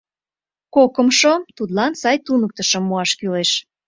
Кокымшо — тудлан сай туныктышым муаш кӱлеш.